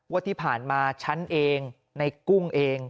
ว่าที่ผ่านมาฉันเองในกุ้งเอง